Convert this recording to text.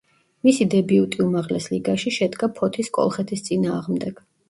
მისი დებიუტი უმაღლეს ლიგაში შედგა ფოთის „კოლხეთის“ წინააღმდეგ.